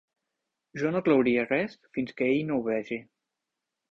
Jo no clouria res fins que ell no ho vegi.